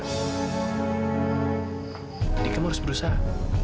jadi kamu harus berusaha